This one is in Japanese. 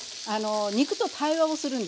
肉と対話をするんですよ。